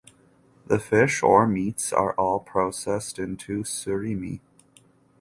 The fish or meats are all processed into surimi.